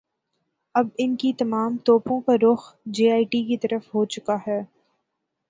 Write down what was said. اب ان کی تمام توپوں کا رخ جے آئی ٹی کی طرف ہوچکا ہے۔